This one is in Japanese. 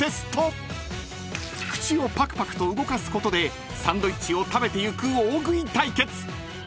［口をパクパクと動かすことでサンドイッチを食べていく大食い対決］